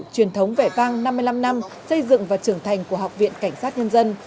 truyền thống vẻ vang năm mươi năm năm xây dựng và trưởng thành của học viện cảnh sát nhân dân